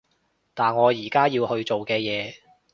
但我而家要去做嘅嘢